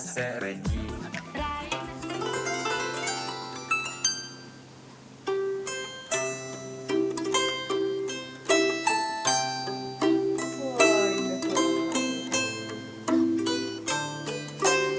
siap silahkan kakak ganser